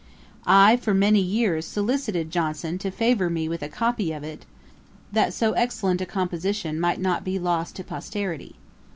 I for many years solicited Johnson to favour me with a copy of it, that so excellent a composition might not be lost to posterity.